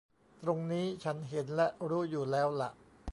ตรงนี้ฉันเห็นและรู้อยู่แล้วหละ